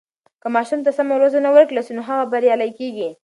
که ماشوم ته سمه روزنه ورکړل سي، نو هغه بریالی کیږي.